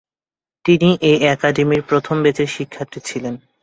তিনি এ একাডেমির প্রথম ব্যাচের শিক্ষার্থী ছিলেন।